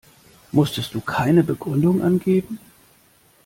Musstest du keine Begründung angeben?